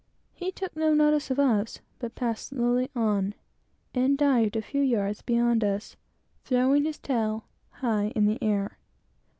He took no notice of us, but passed slowly on, and dived a few yards beyond us, throwing his tail high in the air.